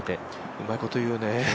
うまいこと言うね。